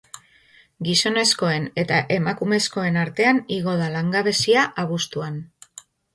Gizonezkoen eta emakumezkoen artean igo da langabezia abuztuan.